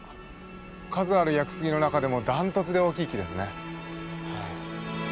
数ある屋久杉の中でもダントツで大きい木ですね。